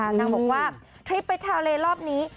นางบอกว่าทริปไปทะเลรอบนี้